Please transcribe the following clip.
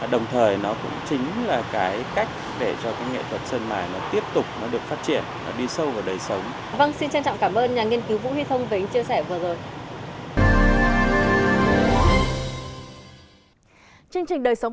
đồng thời nó cũng chính là cái cách để cho cái nghệ thuật sơn mài nó tiếp tục nó được phát triển nó đi sâu vào đời sống